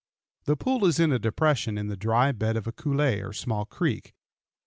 The pool is in a depression in the dry bed of a coulée or small creek.